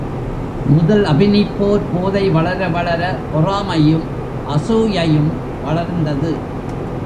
முதல் அபினிப் போர் போதை வளர வளர பொறாமையும், அசூயையும் வளர்ந்தது.